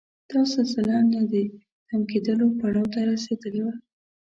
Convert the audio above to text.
دا سلسله د نه تم کېدلو پړاو ته رسېدلې وه.